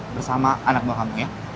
bersama anakmu kamu ya